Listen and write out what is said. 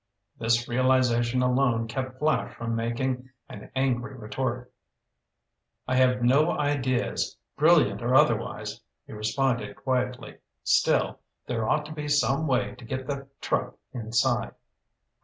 This realization alone kept Flash from making an angry retort. "I have no ideas, brilliant or otherwise," he responded quietly. "Still, there ought to be some way to get the truck inside."